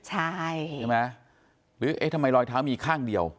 หรือทำไมรอยเท้ามีอีกข้างเดียว